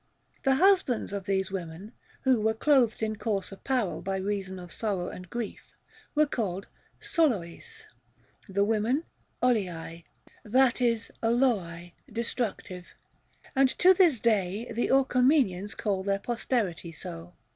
The husbands of these women, that were clothed in coarse apparel by reason of sorrow and grief, were called Psoloeis, the women Όλεϊαι, that is όλοαί [destructive). And to this day the Orchomenians call their posterity so.